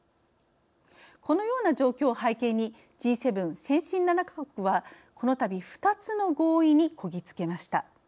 このような状況を背景にＧ７先進７か国はこのたび２つの合意にこぎ着けました。